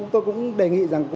tôi cũng đề nghị rằng